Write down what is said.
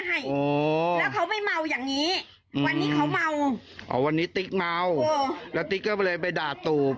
แล้วเขาไม่เมาอย่างนี้วันนี้เขาเมาอ๋อวันนี้ติ๊กเมาแล้วติ๊กก็เลยไปด่าตูบ